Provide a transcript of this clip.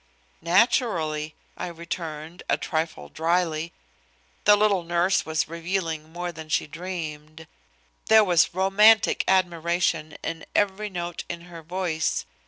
"Naturally," I returned, a trifle dryly. The little nurse was revealing more than she dreamed. There was romantic admiration in every note in her voice.